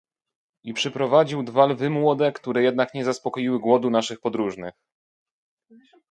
"I przyprowadził dwa lwy młode, które jednak nie zaspokoiły głodu naszych podróżnych."